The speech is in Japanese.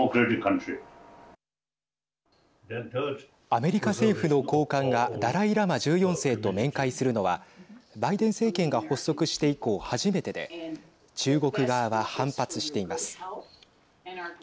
アメリカ政府の高官がダライ・ラマ１４世と面会するのはバイデン政権が発足して以降初めてで中国側は反発しています。